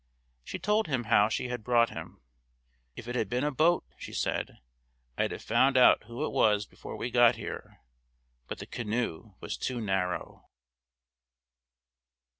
She told him how she had brought him. "If it had been a boat," she said, "I'd have found out who it was before we got here, but the canoe was too narrow."